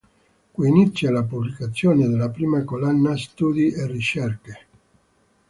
Qui inizia la pubblicazione della prima collana "Studi e Ricerche".